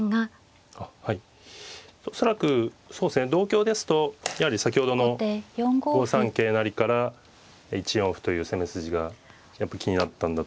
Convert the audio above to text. はい恐らく同香ですとやはり先ほどの５三桂成から１四歩という攻め筋がやっぱ気になったんだと思います。